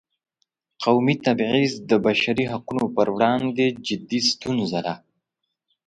قومي تبعیض د بشري حقونو پر وړاندې جدي ستونزه ده.